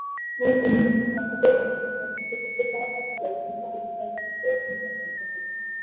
কোন নিবন্ধিত সম্পাদক নিজেদের মনোনীত করতে পারেন, অথবা এর জন্যে অন্য সম্পাদকের অনুরোধ করতে পারেন।